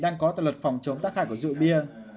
đang có tại luật phòng chống tác hại của rượu bia